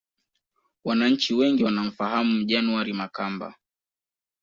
Wananchi wengi wanamfahamu January Makamba